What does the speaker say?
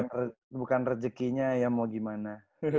ya bukan rezekinya ya mau gimana